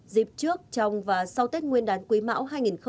dịp trước trong và sau tết nguyên đán quý mão hai nghìn hai mươi